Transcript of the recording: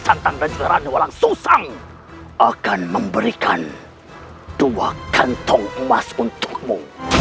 aku akan memberikan dua kantong emas untukmu